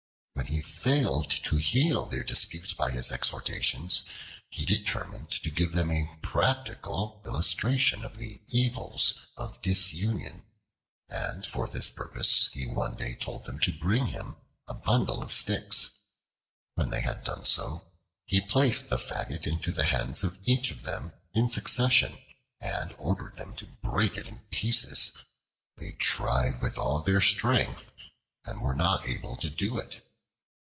When he failed to heal their disputes by his exhortations, he determined to give them a practical illustration of the evils of disunion; and for this purpose he one day told them to bring him a bundle of sticks. When they had done so, he placed the faggot into the hands of each of them in succession, and ordered them to break it in pieces. They tried with all their strength, and were not able to do it.